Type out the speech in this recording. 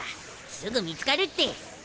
すぐ見つかるって。